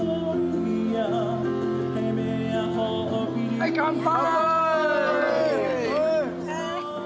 はい乾杯！